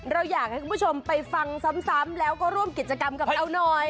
เราอยากให้คุณผู้ชมไปฟังซ้ำแล้วก็ร่วมกิจกรรมกับเราหน่อย